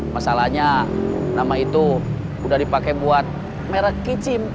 terlalu brak ada kutip